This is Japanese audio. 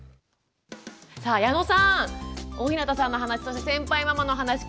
さあ矢野さん大日向さんの話そして先輩ママの話聞いていかがですか？